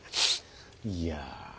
いや。